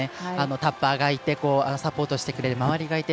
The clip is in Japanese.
タッパーがいてサポートしてくれる周りの人がいて。